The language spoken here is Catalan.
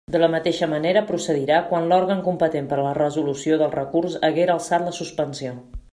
De la mateixa manera procedirà quan l'òrgan competent per a la resolució del recurs haguera alçat la suspensió.